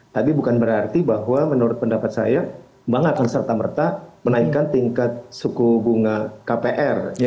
tapi bukan berarti bahwa menurut pendapat saya bank akan serta merta menaikkan tingkat suku bunga kpr